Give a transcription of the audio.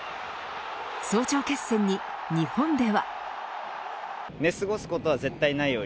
早朝決戦に、日本では。